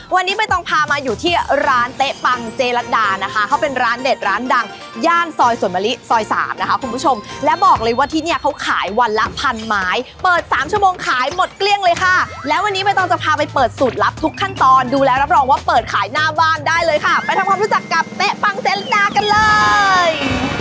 วันนี้ใบตองพามาอยู่ที่ร้านเต๊ะปังเจรัตดานะคะเขาเป็นร้านเด็ดร้านดังย่านซอยสวนมะลิซอยสามนะคะคุณผู้ชมและบอกเลยว่าที่เนี่ยเขาขายวันละพันไม้เปิดสามชั่วโมงขายหมดเกลี้ยงเลยค่ะแล้ววันนี้ใบตองจะพาไปเปิดสูตรลับทุกขั้นตอนดูแลรับรองว่าเปิดขายหน้าบ้านได้เลยค่ะไปทำความรู้จักกับเต๊ะปังเซลัดดากันเลย